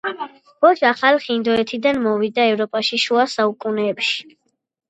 ბოშა ხალხი ინდოეთიდან მოვიდა ევროპაში შუა საუკუნეებში.